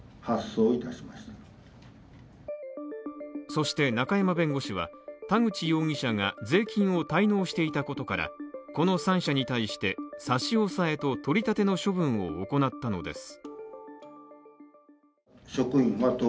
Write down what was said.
そして中山弁護士は、田口容疑者が税金を滞納していたことから、この３社に対して差し押さえと取り立ての処分を行ったのです。